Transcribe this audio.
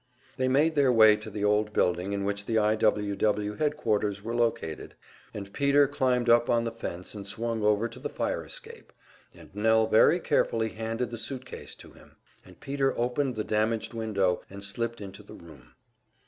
They made their way to the old building in which the I. W. W. headquarters were located, and Peter climbed up on the fence and swung over to the fire escape, and Nell very carefully handed the suit case to him, and Peter opened the damaged window and slipped into the room.